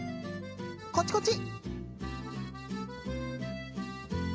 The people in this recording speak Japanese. こっちこっち！